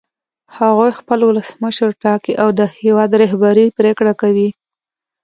هغوی خپل ولسمشر ټاکي او د هېواد رهبري پرېکړه کوي.